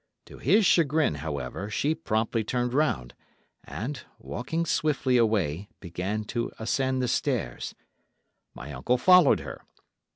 To his chagrin, however, she promptly turned round, and, walking swiftly away, began to ascend the stairs. My uncle followed her.